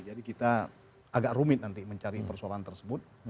jadi kita agak rumit nanti mencari persoalan tersebut